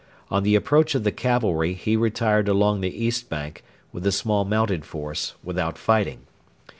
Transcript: On the approach of the cavalry he retired along the east bank, with a small mounted force, without fighting.